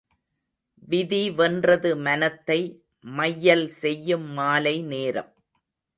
விதி வென்றது மனத்தை மையல் செய்யும் மாலை நேரம்.